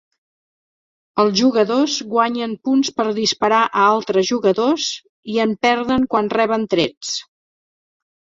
Els jugadors guanyen punts per disparar a altres jugadors i en perden quan reben trets.